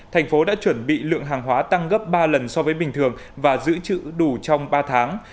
thành phố đã chuẩn bị lượng hàng hóa tăng gấp ba lần so với bình thường và giữ chữ đủ trong ba tháng